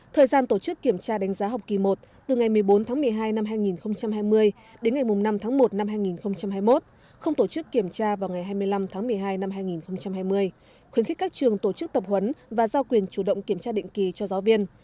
thời gian tổ chức kiểm tra đánh giá học kỳ một từ ngày một mươi bốn tháng một mươi hai năm hai nghìn hai mươi đến ngày năm tháng một năm hai nghìn hai mươi một không tổ chức kiểm tra vào ngày hai mươi năm tháng một mươi hai năm hai nghìn hai mươi khuyến khích các trường tổ chức tập huấn và giao quyền chủ động kiểm tra định kỳ cho giáo viên